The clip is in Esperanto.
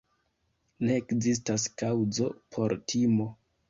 Ne ekzistas kaŭzo por timo.